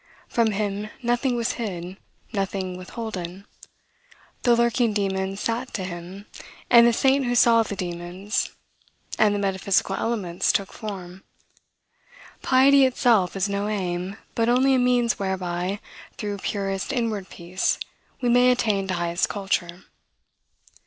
From him nothing was hid, nothing withholden. The lurking daemons sat to him, and the saint who saw the daemons; and the metaphysical elements took form. "Piety itself is no aim, but only a means whereby, through purest inward peace, we may attain to highest culture."